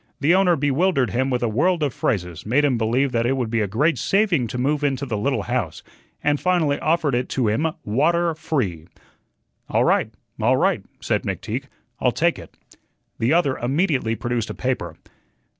The owner bewildered him with a world of phrases, made him believe that it would be a great saving to move into the little house, and finally offered it to him "water free." "All right, all right," said McTeague, "I'll take it." The other immediately produced a paper.